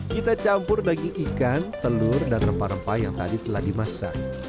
kita campur daging ikan telur dan rempah rempah yang tadi telah dimasak